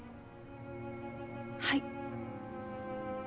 はい。